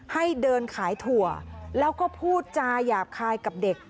ให้เดินขายถั่วแล้วก็พูดจาหยาบคายกับเด็ก